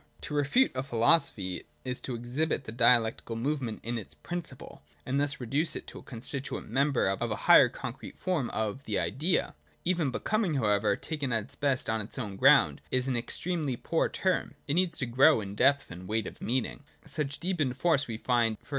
To refute a philosophy is to exhibit I the dialectical movement in its principle, and thus reduce it I to a constituent member of a higher concrete form of the 1 Idea. Even Becoming however, taken at its best on its own ground, is an extremely poor term : it needs to grow in depth and weight of meaning. Such deepened force we find e.